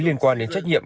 liên quan đến trách nhiệm